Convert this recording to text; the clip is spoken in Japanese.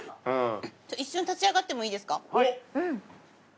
一瞬立ち上がってもいいですか。